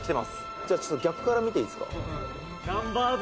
「じゃあちょっと逆から見ていいですか？」